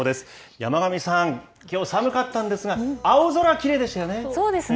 山神さん、きょうは寒かったんですが、青空きれいでしたよね。